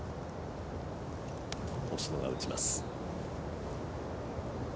星野が打ちます。